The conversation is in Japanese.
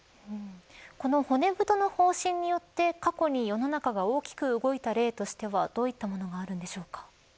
この骨太の方針によって過去に世の中が大きく動いた例としてはどういったものがあるのでしょうか。